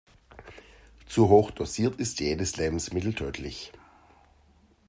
Zu hoch dosiert ist jedes Lebensmittel tödlich.